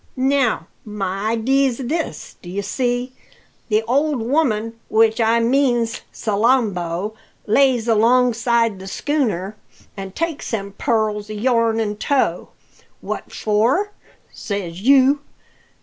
Now, my idee's this, d'ye see: the old woman which I means Salambo lays alongside the schooner an' takes them pearls o' your'n in tow. What for? says you.